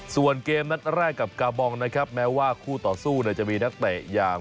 ส่วนเกมนัดแรกกับกาบองนะครับแม้ว่าคู่ต่อสู้จะมีนักเตะอย่าง